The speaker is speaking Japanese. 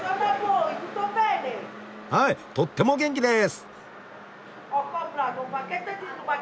はいとっても元気です！